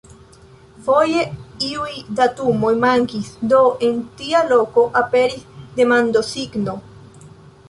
Foje iuj datumoj mankis, do en tia loko aperis demandosigno.